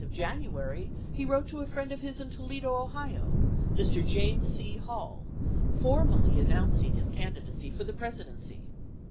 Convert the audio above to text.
of January he wrote to a friend of his in Toledo, Ohio, Mr. James C. Hall, formally announcing his candidacy for the Presidency.